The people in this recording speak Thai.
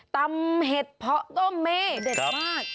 เห็ดเพาะต้มเม่เด็ดมาก